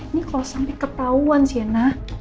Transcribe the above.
ini kalo sampe ketauan si ena